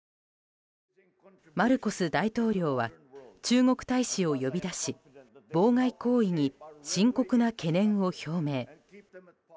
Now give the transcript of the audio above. マルコス大統領は中国大使を呼び出し妨害行為に深刻な懸念を表明。